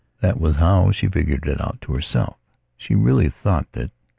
That was how she figured it out to herself. She really thought that....